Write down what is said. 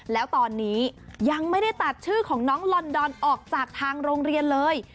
แล้วตอนนี้ยังไม่ได้ตัดชื่อของน้องลอนดอนออกจากทางโรงเรียนเลย